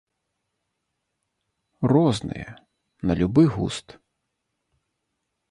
Розныя, на любы густ.